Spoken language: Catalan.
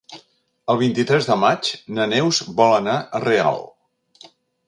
El vint-i-tres de maig na Neus vol anar a Real.